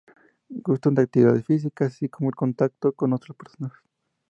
Gustan de actividades físicas, así como del contacto con otras personas.